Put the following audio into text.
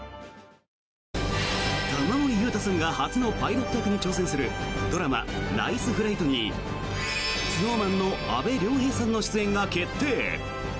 玉森裕太さんが初のパイロット役に挑戦するドラマ「ＮＩＣＥＦＬＩＧＨＴ！」にＳｎｏｗＭａｎの阿部亮平さんの出演が決定。